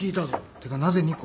てかなぜ２個？